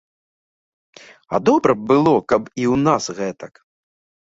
А добра б было, каб і ў нас гэтак.